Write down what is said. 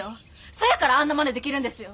そやからあんなまねできるんですよ！